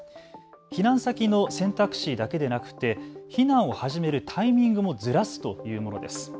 避難先の選択肢だけでなくて避難を始めるタイミングもずらすというものです。